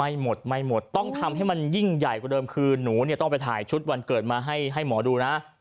ไม่หมดไม่หมดต้องทำให้มันยิ่งใหญ่กว่าเดิมคือหนูเนี่ยต้องไปถ่ายชุดวันเกิดมาให้หมอดูนะ